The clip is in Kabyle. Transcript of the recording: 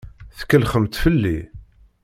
Tkellxemt fell-i.